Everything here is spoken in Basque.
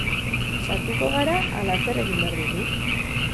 Sartuko gara ala zer egin behar dugu?